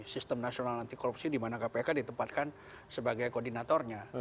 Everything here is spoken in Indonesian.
sistem nasional anti korupsi dimana kpk ditempatkan sebagai koordinatornya